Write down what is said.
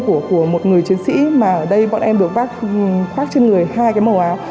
của một người chiến sĩ mà ở đây bọn em được bác khoác trên người hai cái màu áo